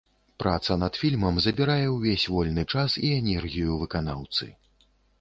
Праца над фільмам забірае ўвесь вольны час і энергію выканаўцы.